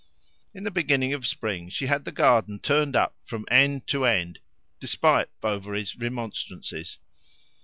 In the beginning of spring she had the garden turned up from end to end, despite Bovary's remonstrances.